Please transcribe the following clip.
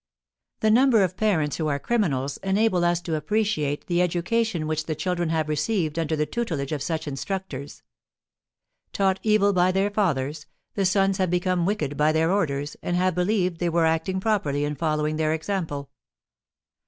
The number of parents who are criminals enable us to appreciate the education which the children have received under the tutelage of such instructors. Taught evil by their fathers, the sons have become wicked by their orders, and have believed they were acting properly in following their example.